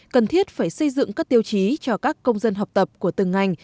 cần thiết phải xây dựng các tiêu chí cho các công dân học tập của từng ngành